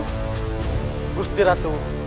kau masih memanggilku gusti ratu